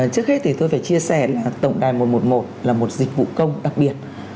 trước hết thì tôi phải chia sẻ là tổng đài một trăm một mươi một là một dịch vụ công đặc biệt